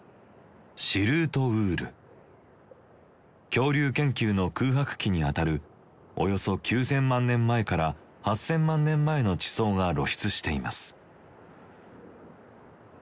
恐竜研究の空白期にあたるおよそ９，０００万年前から８，０００万年前の地層が露出しています。